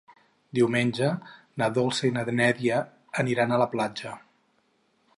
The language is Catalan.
Diumenge na Dolça i na Neida aniran a la platja.